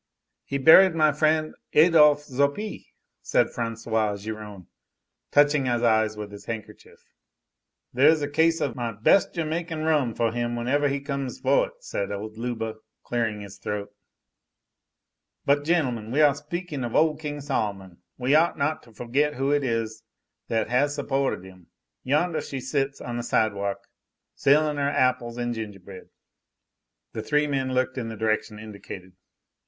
"He buried my friend Adolphe Xaupi," said François Giron, touching his eyes with his handkerchief. "There is a case of my best Jamaica rum for him whenever he comes for it," said old Leuba, clearing his throat. "But, gentlemen, while we are speakin' of ole King Sol'mon we ought not to forget who it is that has suppohted 'im. Yondah she sits on the sidewalk, sellin' 'er apples an' gingerbread." The three men looked in the direction indicated.